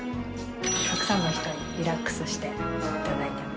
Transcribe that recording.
たくさんの人にリラックスして頂いています。